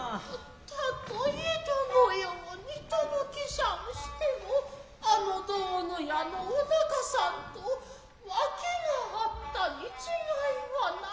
たとえどの様にとぼけしゃんしてもあの道具屋のお仲さんと訳が有ったに違いはない。